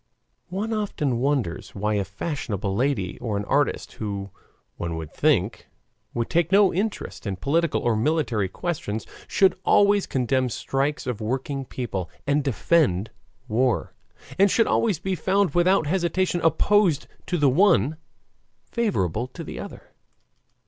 One often wonders why a fashionable lady or an artist, who, one would think, would take no interest in political or military questions, should always condemn strikes of working people, and defend war; and should always be found without hesitation opposed to the one, favorable to the other.